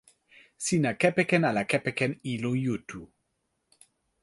sina kepeken ala kepeken ilo Jutu?